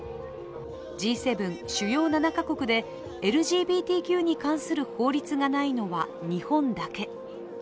Ｇ７＝主要７か国でＬＧＢＴＱに関する法律がないのは日本だけ。